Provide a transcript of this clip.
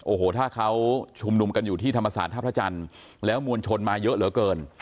โอ้โหถ้าเขาชุมนุมกันอยู่ที่ธรรมศาสตร์ท่าพระจันทร์แล้วมวลชนมาเยอะเหลือเกิน